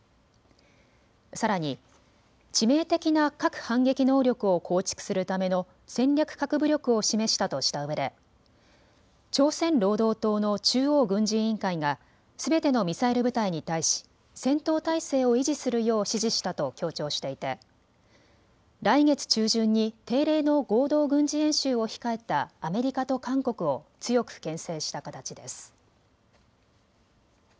さらに致命的な核反撃能力を構築するための戦略核武力を示したとしたうえで朝鮮労働党の中央軍事委員会がすべてのミサイル部隊に対し戦闘態勢を維持するよう指示したと強調していて来月中旬に定例の合同軍事演習を控えたアメリカと韓国を強くけん制した形です。